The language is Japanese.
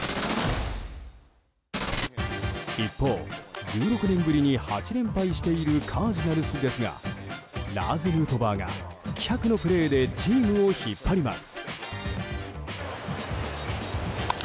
一方、１６年ぶりに８連敗しているカージナルスですがラーズ・ヌートバーが気迫のプレーでチームを引っ張ります。